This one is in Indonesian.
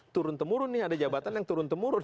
turun temurun nih ada jabatan yang turun temurun